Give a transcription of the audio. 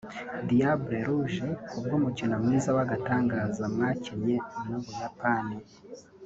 Diables rouges’ ku bw’umukino mwiza w’agatangaza mwakinnye n’Ubuyapani